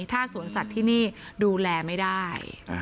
ถ้าสวนสัตว์ที่นี่ดูแลไม่ได้